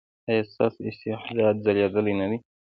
ایا ستاسو استعداد ځلیدلی نه دی؟